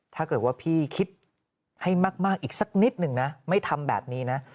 ถ้าเกิดว่าพี่คิดให้มากอีกสักนิดหนึ่งนะไม่ทำแบบนี้นะ